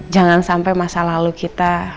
jangan sampai masa lalu kita